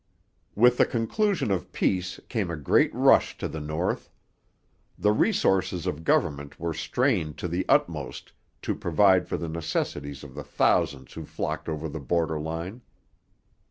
With the conclusion of peace came a great rush to the north. The resources of government were strained to the utmost to provide for the necessities of the thousands who flocked over the border line.